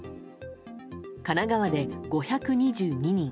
神奈川で５２２人